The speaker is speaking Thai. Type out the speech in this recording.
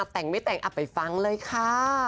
แต่งไปแต่งอับไปฟังเลยค่ะ